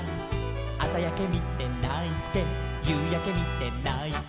「あさやけみてないてゆうやけみてないて」